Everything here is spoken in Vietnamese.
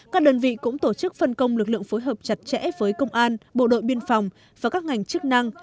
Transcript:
các đơn vị cũng tổ chức phân công lực lượng phối hợp chặt chẽ với công an bộ đội biên phòng và các ngành chức năng